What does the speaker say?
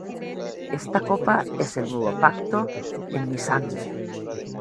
Esta copa es el nuevo pacto en mi sangre: